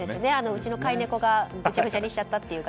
うちの飼い猫がぐちゃぐちゃにしてしまったという。